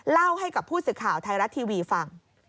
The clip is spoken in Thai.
เล่าให้กับผู้สื่อข่าวไทยรัฐทีวีฟัง